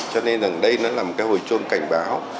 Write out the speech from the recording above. cho nên rằng đây nó là một cái hồi chuông cảnh báo